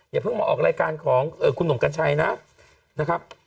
อย่าเพิ่งมาออกรายการของคุณหนุ่มกัญชัยนะครับ